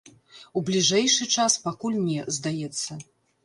У бліжэйшы час пакуль не, здаецца.